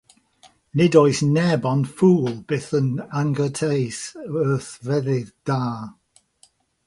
Nid oes neb ond ffwl byth yn anghwrtais wrth feddyg da.